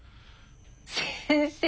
先生